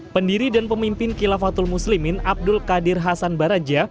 pendiri dan pemimpin kilafatul muslimin abdul qadir hasan baraja